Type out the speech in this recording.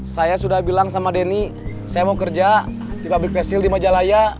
saya sudah bilang sama denny saya mau kerja di public vessel di majalaya